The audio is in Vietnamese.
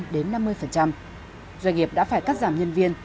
doanh nghiệp đã phải cắt giảm nhân viên